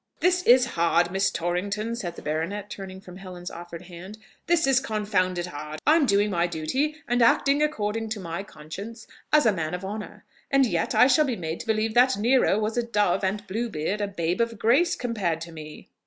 "This is hard, Miss Torrington!" said the baronet, turning from Helen's offered hand; "this is confounded hard! I'm doing my duty, and acting according to my conscience as a man of honour, and yet I shall be made to believe that Nero was a dove, and Bluebeard a babe of grace, compared to me!"